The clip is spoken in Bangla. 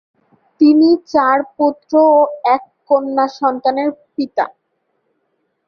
তিনি চার পুত্র ও এক কন্যা সন্তানের পিতা।